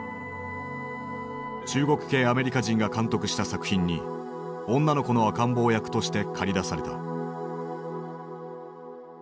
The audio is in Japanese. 中国系アメリカ人が監督した作品に女の子の赤ん坊役として駆り出された。